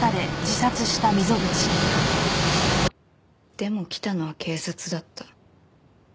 でも来たのは警察だった。